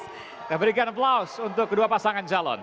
kita berikan aplaus untuk kedua pasangan calon